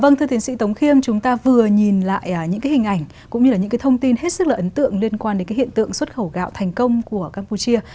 vâng thưa tiến sĩ tống khiêm chúng ta vừa nhìn lại những hình ảnh cũng như những thông tin hết sức ấn tượng liên quan đến hiện tượng xuất khẩu gạo thành công của campuchia